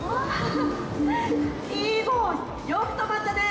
ピーボ、よく止まったね。